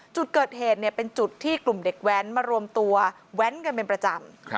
จุดเกิดเหตุเป็นจุดที่กลุ่มเด็กแว้นมารวมตัวแว้นกันเป็นประจำ